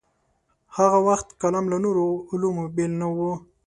هاغه وخت کلام له نورو علومو بېل نه و.